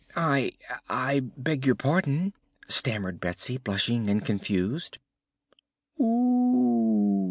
"I I beg your pardon!" stammered Betsy, blushing and confused.